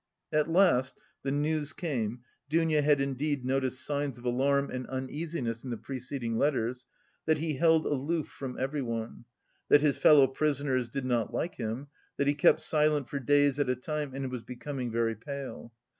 At last the news came (Dounia had indeed noticed signs of alarm and uneasiness in the preceding letters) that he held aloof from everyone, that his fellow prisoners did not like him, that he kept silent for days at a time and was becoming very pale.